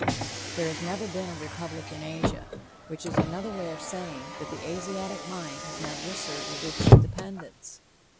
There has never been a republic in Asia, which is another way of saying that the Asiatic mind has never asserted its independence.